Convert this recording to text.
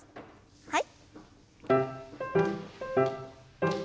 はい。